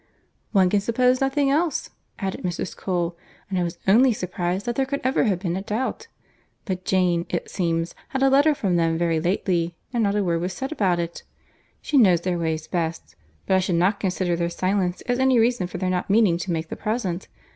"One can suppose nothing else," added Mrs. Cole, "and I was only surprized that there could ever have been a doubt. But Jane, it seems, had a letter from them very lately, and not a word was said about it. She knows their ways best; but I should not consider their silence as any reason for their not meaning to make the present.